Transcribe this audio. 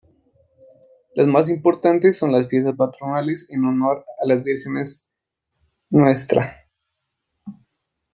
Las más importantes son las fiestas patronales, en honor a las vírgenes Ntra.